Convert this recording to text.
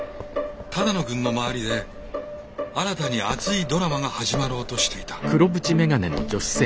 只野くんの周りで新たに熱いドラマが始まろうとしていた。